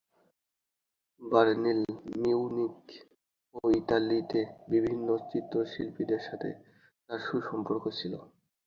Berlin, Munich ও ইতালিতে বিভিন্ন চিত্রশিল্পীদের সাথে তার সুসম্পর্ক ছিল।